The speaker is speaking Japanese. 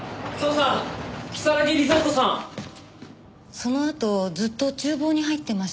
そのあとずっと厨房に入ってましたけど。